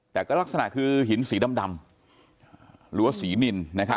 แต่ก็ลักษณะคือหินสีดำหรือว่าสีนิน